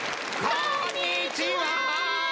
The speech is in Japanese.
こんにちは！